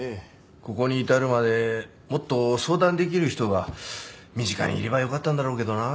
ここに至るまでもっと相談できる人が身近にいればよかったんだろうけどな。